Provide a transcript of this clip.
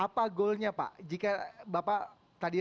apa goalnya pak jika bapak tadi